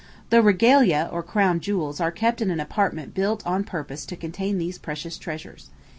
The regalia, or crown jewels, are kept in an apartment built on purpose to contain these precious treasures.